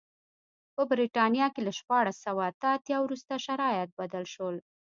په برېټانیا کې له شپاړس سوه اته اتیا وروسته شرایط بدل شول.